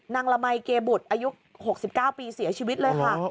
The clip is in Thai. ละมัยเกบุตรอายุ๖๙ปีเสียชีวิตเลยค่ะ